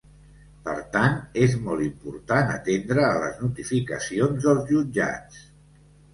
Per tant, és molt important atendre a les notificacions dels jutjats.